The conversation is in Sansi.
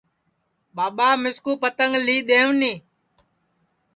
ٻاٻا مِسکُو پتنٚگ لی دؔئین